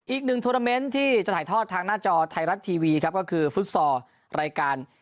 อีกหนึ่งโทรเมนต์ที่จะถ่ายทอดทางหน้าจอไทยรัฐทีวีครับก็คือฟุตซอลรายการ